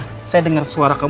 puji bang chceh p landscape